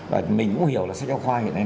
và mình cũng hiểu là sách giáo khoa hiện nay